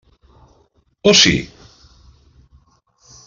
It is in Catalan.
O sí?